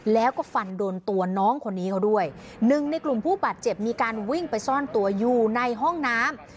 แล้วก็ฟันโดนตัวน้องคนนี้เขาด้วยหนึ่งในกลุ่มผู้บาดเจ็บมีการวิ่งไปซ่อนตัวอยู่ในห้องน้ำ